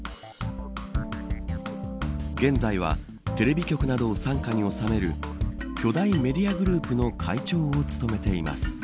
現在はテレビ局などを傘下に収める巨大メディアグループの会長を務めています。